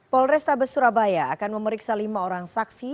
polresta besurabaya akan memeriksa lima orang saksi